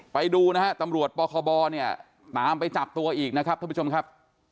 ไปดูตำรวจปคบตามไปจับตัวอีกทุกผู้ชมครับ